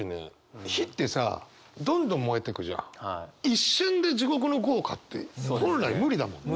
一瞬で地獄の業火って本来無理だもんね。